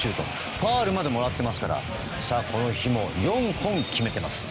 ファウルまでもらっていますからこの日も４本決めています。